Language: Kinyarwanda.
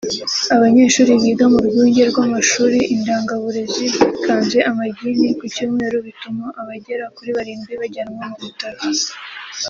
Abanyeshuri biga mu Rwunge rw’Amashuri Indangaburezi bikanze amagini ku cyumweru bituma abagera kuri barindwi bajyanwa mu bitaro